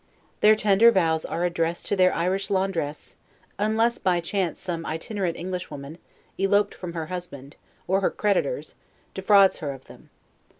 Their tender vows are addressed to their Irish laundress, unless by chance some itinerant Englishwoman, eloped from her husband, or her creditors, defrauds her of them.